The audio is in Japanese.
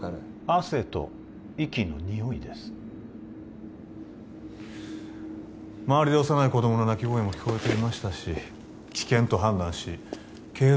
汗と息のにおいです周りで幼い子どもの泣き声も聞こえていましたし危険と判断しけい